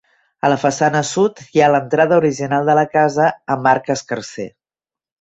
A la façana sud, hi ha l'entrada original de la casa amb arc escarser.